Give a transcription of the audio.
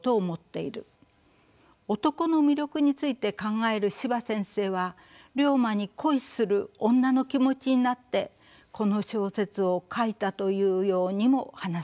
男の魅力について考える司馬先生は竜馬に恋する女の気持ちになってこの小説を書いたというようにも話されているのでした。